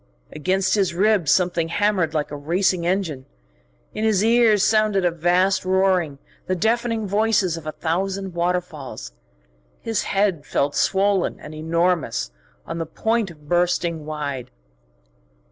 Against his ribs something hammered like a racing engine. In his ears sounded a vast roaring, the deafening voices of a thousand waterfalls. His head felt swollen and enormous, on the point of bursting wide.